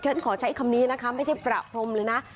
ขอใช้คำนี้นะคะไม่ใช่ประพรมเลยนะ